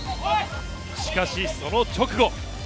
しかしその直後。